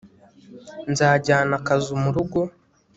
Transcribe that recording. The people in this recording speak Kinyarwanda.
nzajyana akazu murugo